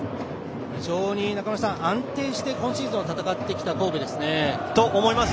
非常に中村さん安定して今シーズンは戦ってきた神戸ですね。と思います。